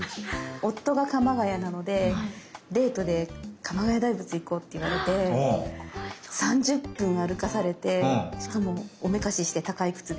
夫が鎌ケ谷なのでデートで鎌ヶ谷大仏行こうって言われて３０分歩かされてしかもおめかしして高い靴で。